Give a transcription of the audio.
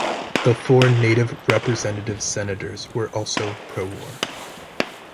The four Native Representative Senators were also pro-war.